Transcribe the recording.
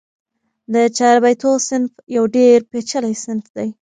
د چاربیتو صنف یو ډېر پېچلی صنف دئ.